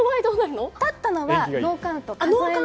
立った場合はノーカウント。